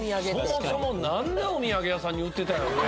そもそもなんでおみやげ屋さんに売ってたんやろね。